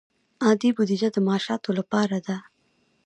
عادي بودجه د معاشاتو لپاره ده